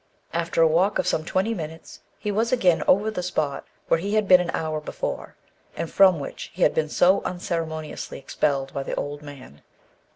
After a walk of some twenty minutes, he was again over the spot where he had been an hour before, and from which he had been so unceremoniously expelled by the old man.